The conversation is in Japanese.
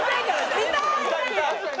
見たい！